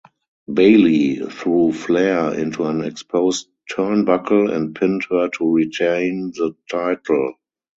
Bayley threw Flair into an exposed turnbuckle and pinned her to retain the title.